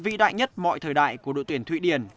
vĩ đại nhất mọi thời đại của đội tuyển thụy điển